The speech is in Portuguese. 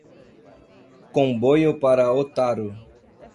Comboio para Otaru